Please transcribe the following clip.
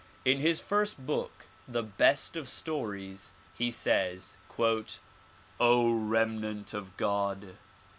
In his first book Tlte Best of Stones he says "0 Remnant of God!